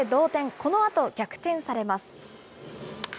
このあと逆転されます。